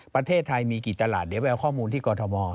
ประเทศไทยมีกี่ตลาดเดี๋ยวไปเอาข้อมูลที่กรทม